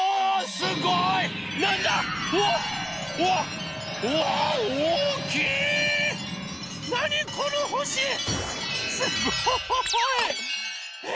すごい！え？